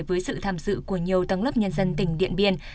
với sự tham dự của nhiều tầng lớp nhân dân tỉnh điện biên